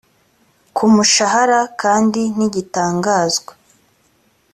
ku mushahara kandi ntigitangazwa